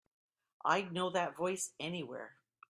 I'd know that voice anywhere.